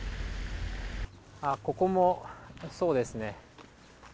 ここもそうですね。